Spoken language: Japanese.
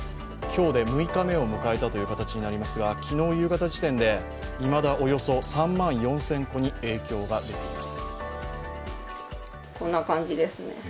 今日で６日目を迎えたという形になりますが昨日夕方時点でいまだおよそ３万４０００戸に影響が出ています。